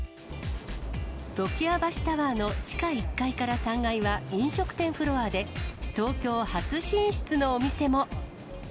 常磐橋タワーの地下１階から３階は飲食店フロアで、東京初進出のお店も。